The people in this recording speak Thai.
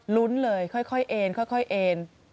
ลุ้นเลยค่อยเอ็นเอ็น